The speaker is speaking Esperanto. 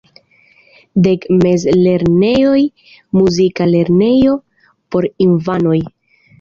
Dek mezlernejoj, muzika lernejo por infanoj.